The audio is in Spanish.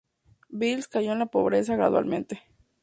Beals cayó en la pobreza gradualmente.